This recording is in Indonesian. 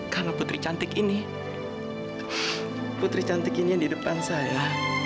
karena putri cantik ini putri cantik ini yang di depan saya